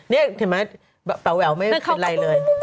นี่เห็นไหมแป๋วไม่เป็นไรเลย